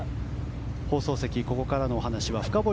放送席、ここからのお話は深堀